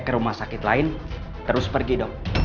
ke rumah sakit lain terus pergi dok